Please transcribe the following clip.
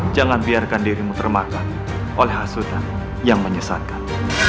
jangan biarkan dirimu termakan oleh hasutan yang menyesatkan